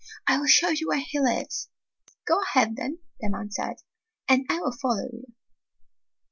I will show you where he lives." "Go ahead, then," the man said, "and I will follow you."